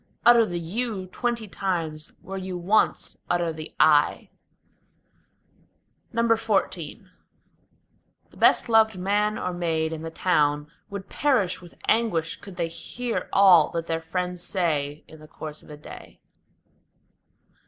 Utter the You twenty times, where you once utter the I. XIV The best loved man or maid in the town would perish with anguish Could they hear all that their friends say in the course of a day.